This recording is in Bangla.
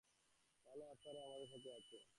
ভাল আত্মারাও আমাদের সাথে আছে।